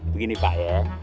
begini pak ya